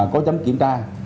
có chấm kiểm tra